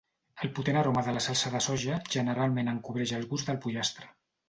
El potent aroma de la salsa de soja generalment encobreix el gust del pollastre.